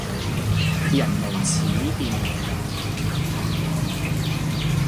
人無恥便無敵